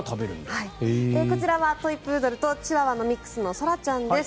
こちらはトイプードルとチワワのミックスの空ちゃんです。